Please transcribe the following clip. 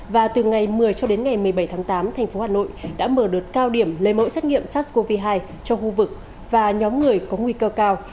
và từ ngày một mươi cho đến ngày một mươi bảy tháng tám thành phố hà nội đã mở đợt cao điểm lấy mẫu xét nghiệm sars cov hai cho khu vực và nhóm người có nguy cơ cao